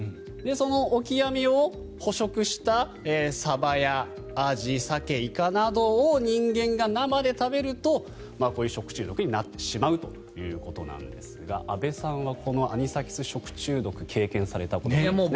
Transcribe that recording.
そのオキアミを捕食したサバやアジ、サケ、イカなどを人間が生で食べるとこういう食中毒になってしまうということなんですが安部さんはこのアニサキス食中毒経験されたことがあるんですね。